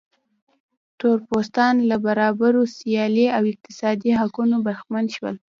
تور پوستان له برابرو سیاسي او اقتصادي حقونو برخمن شول.